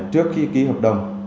trước khi ký hợp đồng